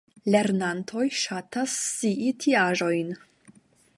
Lernantoj ŝatas scii tiaĵojn!